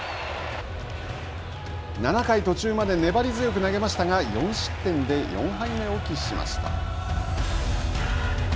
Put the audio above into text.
７回途中まで粘り強く投げましたが４失点で４敗目を喫しました。